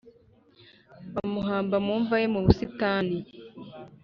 Bamuhamba mu mva ye mu busitani